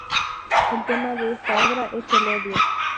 El tema de esta obra es el odio.